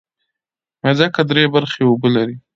مځکه درې برخې اوبه لري.